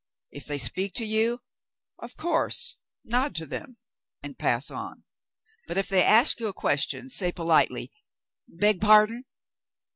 If they speak to you, of course nod to them and pass on. But if they ask you a question, say politely, * Beg pardon